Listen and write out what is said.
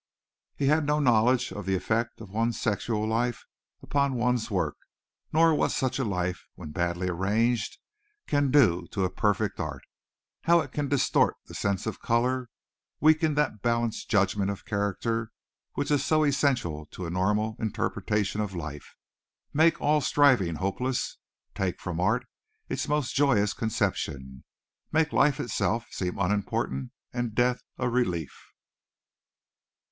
He had no knowledge of the effect of one's sexual life upon one's work, nor what such a life when badly arranged can do to a perfect art how it can distort the sense of color, weaken that balanced judgment of character which is so essential to a normal interpretation of life, make all striving hopeless, take from art its most joyous conception, make life itself seem unimportant and death a relief.